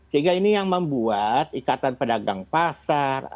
sehingga ini yang membuat ikatan pedagang pasar